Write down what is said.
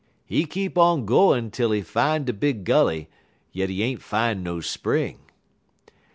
He keep on gwine twel he fin' de big gully, yit he ain't fin' no spring.